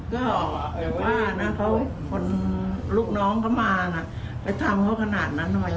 ก็ว่านะเพราะคนลูกน้องก็มานะไปทำเขาขนาดนั้นทำไมให้ตาม